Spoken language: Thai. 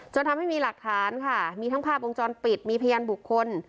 จนทำให้มีหลักฐานค่ะมีทั้งภาพวงจรปิดมีพยานบุคคล